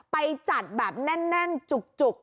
ไปจัดแบบแน่นจุก